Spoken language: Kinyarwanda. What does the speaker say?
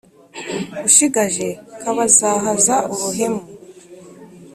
Ushigaje kabazahaza uruhemu,